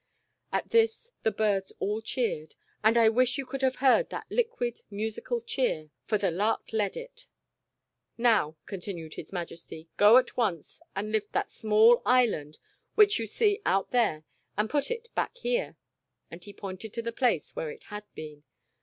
At this the birds all cheered, and I wish you could have heard that liquid, musical cheer, for the lark led it. "Now," continued his Majesty, "go at once, and lift that small Island, which you see out there, and put it back here," and he pointed to the place where it had been.